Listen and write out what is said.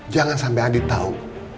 jangan sampe andi tau